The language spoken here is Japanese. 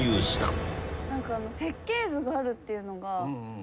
設計図があるっていうのが。